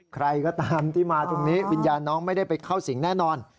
ใครก็ตามที่มาตรงนี้วิญญาณน้องไม่ได้ไปเข้าสิงแน่นอน